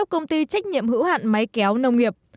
công ty trách nhiệm hữu hạn máy kéo nông nghiệp